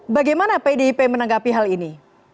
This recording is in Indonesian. bagaimana pdip menanggapi hal ini